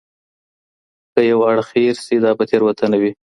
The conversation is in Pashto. که یو اړخ هېر سي دا به تېروتنه وي.